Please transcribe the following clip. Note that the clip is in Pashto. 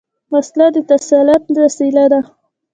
وسله د تسلط وسيله ده